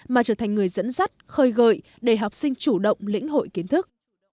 mà trở thành người dẫn dắt khơi gợi để học sinh chủ động lĩnh hội kiến thức